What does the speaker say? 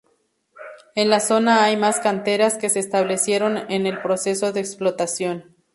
En la zona hay más canteras que se establecieron en el proceso de explotación.